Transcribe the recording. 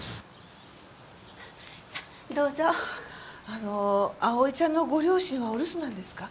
あの葵ちゃんのご両親はお留守なんですか？